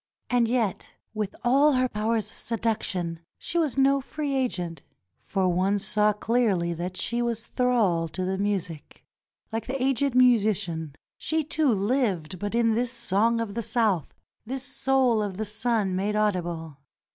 And yet with all her powers of seduction she was no free agent, for one saw clearly that she was thrall to the music. Like the aged musician, she too lived but in this song of the South — this soul of the sun made audible.